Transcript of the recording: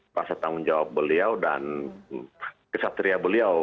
rasa tanggung jawab beliau dan kesatria beliau